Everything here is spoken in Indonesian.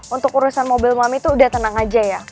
untuk urusan mobil mami tuh udah tenang aja ya